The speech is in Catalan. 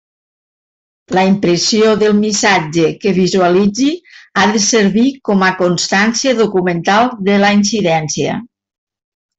La impressió del missatge que visualitzi ha de servir com a constància documental de la incidència.